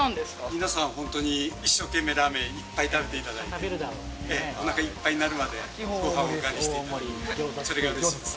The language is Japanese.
皆さん、本当に一生懸命ラーメンいっぱい食べていただいて、おなかいっぱいになるまでごはんお代わりしてくれるので、それがうれしいです。